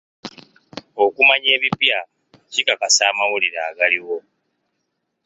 Okumanya ebipya kikakasa amawulire agaliwo.